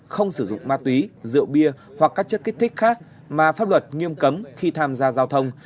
không sử dụng ma túy rượu bia hoặc các chất kích thích khác mà pháp luật nghiêm cấm khi tham gia giao thông